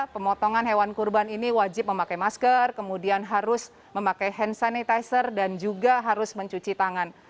pemotongan hewan kurban ini wajib memakai masker kemudian harus memakai hand sanitizer dan juga harus mencuci tangan